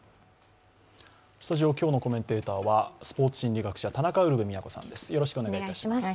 スタジオ、今日のコメンテーターはスポーツ心理学者、田中ウルヴェ京さんです。